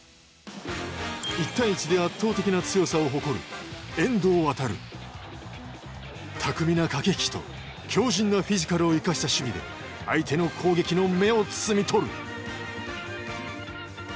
１対１で圧倒的な強さを誇る巧みな駆け引きと強じんなフィジカルを生かした守備で相手の攻撃の芽を摘み取る。